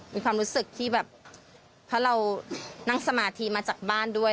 มีความรู้สึกที่แบบเพราะเรานั่งสมาธิมาจากบ้านด้วย